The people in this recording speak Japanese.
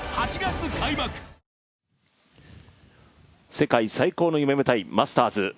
世界最高の夢舞台、マスターズ。